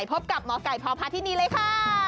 พบกับหมอไก่พพาธินีเลยค่ะ